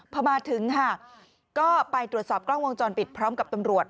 พอมาถึงค่ะก็ไปตรวจสอบกล้องวงจรปิดพร้อมกับตำรวจ